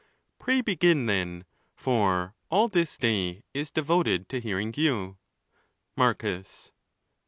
—Pray begin, then ; for all this day is devoted to hearing you. Marcus.